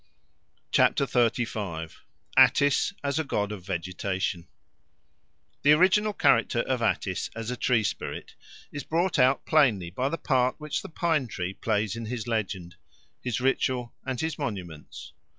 XXXV. Attis as a God of Vegetation THE ORIGINAL character of Attis as a tree spirit is brought out plainly by the part which the pine tree plays in his legend, his ritual, and his monuments.